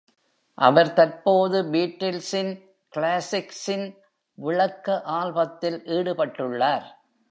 அவர் தற்போது பீட்டில்ஸின் கிளாசிக்ஸின் விளக்க ஆல்பத்தில் ஈடுபட்டுள்ளார்.